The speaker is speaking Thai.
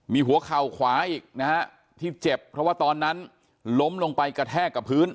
มีหัวเข่าขวาอีกนะฮะที่เจ็บเพราะว่าตอนนั้นล้มลงไปกระแทกกับพื้น